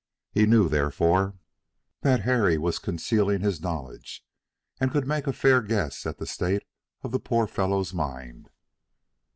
He knew, therefore, that Harry was concealing his knowledge, and could make a fair guess at the state of the poor fellow's mind.